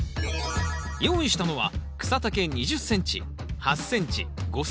用意したのは草丈２０ｃｍ８ｃｍ５ｃｍの３種類です。